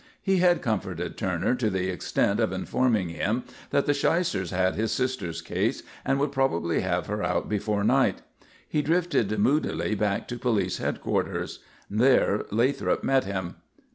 He had comforted Turner to the extent of informing him that the shysters had his sister's case and would probably have her out before night. He drifted moodily back to police headquarters. There Lathrop met him.